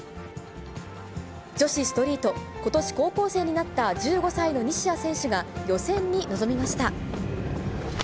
女子ストリート、ことし高校生になった１５歳の西矢選手が、予選に臨みました。